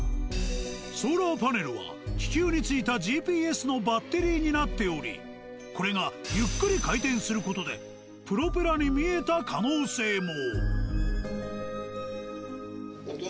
ソーラーパネルは気球に付いたＧＰＳのバッテリーになっておりこれがゆっくり回転する事でプロペラに見えた可能性も。